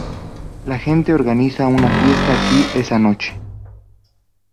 La gente organiza una fiesta aquí esa noche.